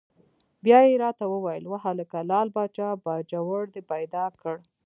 بیا یې را ته وویل: وهلکه لعل پاچا باجوړ دې پیدا کړ؟!